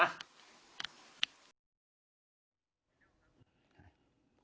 อันนี้คงไม่กวาดน่ะ